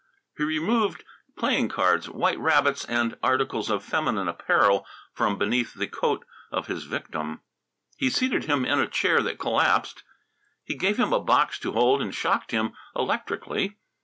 He removed playing cards, white rabbits and articles of feminine apparel from beneath the coat of his victim. He seated him in a chair that collapsed. He gave him a box to hold and shocked him electrically.